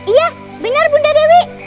iya benar bunda dewi